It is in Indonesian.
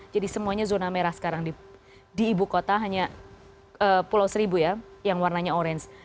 jadi semuanya zona merah sekarang di ibu kota hanya pulau seribu ya yang warnanya orange